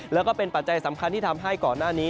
แล้วก็เป็นปัจจัยสำคัญที่ทำให้ก่อนหน้านี้